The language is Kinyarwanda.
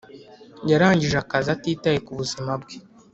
yarangije akazi atitaye ku buzima bwe.